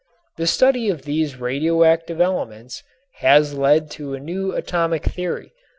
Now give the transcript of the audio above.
The study of these radioactive elements has led to a new atomic theory.